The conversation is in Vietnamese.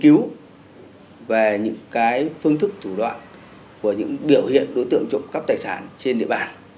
tiếp nữa là nghiên cứu về những phương thức thủ đoạn của những biểu hiện đối tượng trộm cắp tài sản trên địa bàn